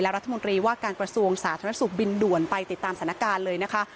รัฐมนตรีว่าการกระทรวงสาธารณสุขบินด่วนไปติดตามสถานการณ์เลยนะคะ